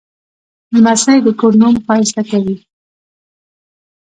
لمسی د کور نوم ښایسته کوي.